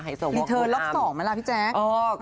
ให้ส่งวักคุณอ้ำลีเทิร์นล็อค๒มาแล้วพี่แจ๊ก